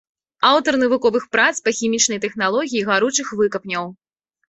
Аўтар навуковых прац па хімічнай тэхналогіі гаручых выкапняў.